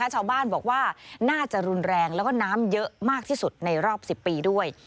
ชาวบ้านบอกว่าน่าจะรุนแรงแล้วก็น้ำเยอะมากที่สุดในรอบ๑๐ปีด้วย